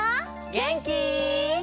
げんき？